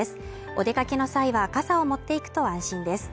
お出かけの際は傘を持っていくと安心です。